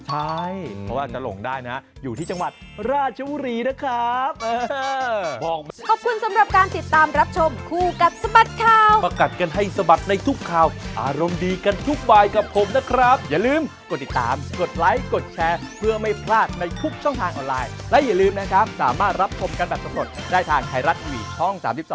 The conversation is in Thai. ใช่เพราะว่าจะหลงได้นะอยู่ที่จังหวัดราชบุรีนะครับ